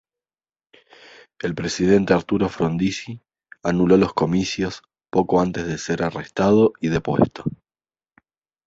El presidente Arturo Frondizi anuló los comicios poco antes de ser arrestado y depuesto.